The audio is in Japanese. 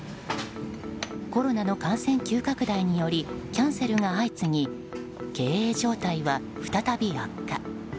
コロナの感染急拡大によりキャンセルが相次ぎ経営状態は再び悪化。